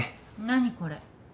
何これ。